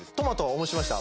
お持ちしました